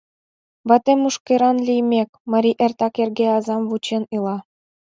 Вате мӱшкыран лиймек, марий эртак эрге азам вучен ила.